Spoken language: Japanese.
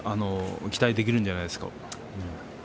期待できるんじゃないですか。